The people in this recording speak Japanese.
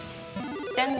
じゃん！